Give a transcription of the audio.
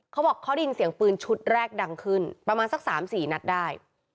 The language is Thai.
เขาบอกเขาได้ยินเสียงปืนชุดแรกดังขึ้นประมาณสัก๓๔นัดได้